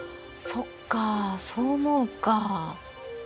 そっかそう思うか。